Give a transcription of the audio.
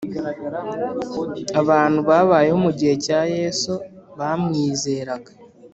Abantu babayeho mu gihe cya Yesu bamwizeraga